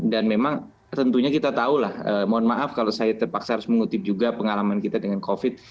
dan memang tentunya kita tahu lah mohon maaf kalau saya terpaksa harus mengutip juga pengalaman kita dengan covid